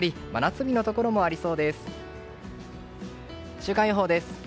週間予報です。